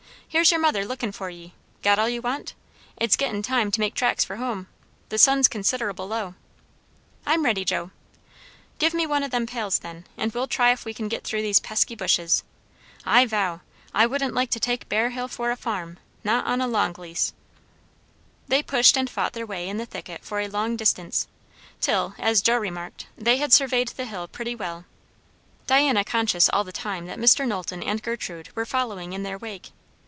Here's your mother lookin' for ye. Got all you want? It's gettin' time to make tracks for hum. The sun's consid'able low." "I'm ready, Joe." "Give me one o' them pails, then, and we'll try ef we kin git through these pesky bushes. I vow! I wouldn't like to take Bear Hill for a farm, not on a long lease." They pushed and fought their way in the thicket for a long distance, till, as Joe remarked, they had surveyed the hill pretty well; Diana conscious all the time that Mr. Knowlton and Gertrude were following in their wake.